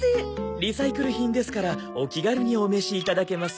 リサイクル品ですからお気軽にお召しいただけます。